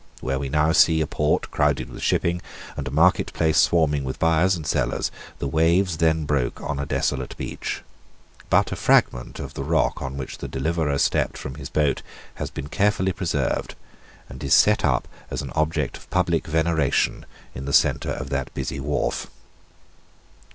Where we now see a port crowded with shipping, and a market place swarming with buyers and sellers, the waves then broke on a desolate beach: but a fragment of the rock on which the deliverer stepped from his boat has been carefully preserved, and is set up as an object of public veneration in the centre of that busy wharf.